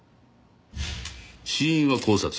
死因は絞殺。